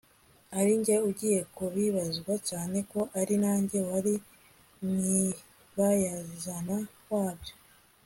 arinjye ugiye kubibazwa cyane ko ari nanjye wari nyibayazana wabyo